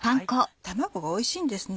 卵がおいしいんですね。